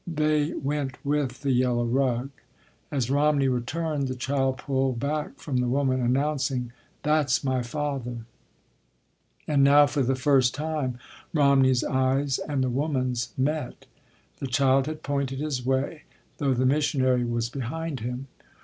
They went with the yellow rug. As Romney returned, the child pulled back from the woman, announcing: "That’s my father." And now for the first time Romney’s eyes and the woman’s met. The child had pointed his way, though the missionary was behind him.